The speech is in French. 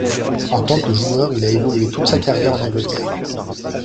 En tant que joueur, il a évolué toute sa carrière en Angleterre.